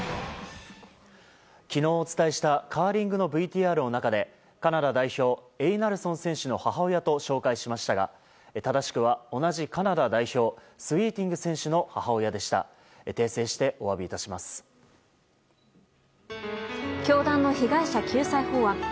昨日、お伝えしたカーリングのＶＴＲの中でカナダ代表エイナルソン選手の母親と紹介しましたが正しくは同じカナダ代表スウィーティング選手のいわゆる統一教会の被害者救済に向けた